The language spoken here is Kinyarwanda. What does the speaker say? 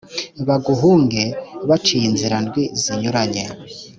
baguhunge baciye inzira ndwi zinyuranye.